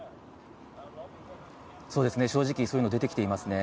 正直、そういうのは出てきていますね。